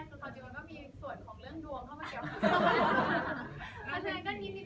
ก็จริงมันก็มีส่วนของเรื่องดวงเข้ามาเกี่ยวกับส่วน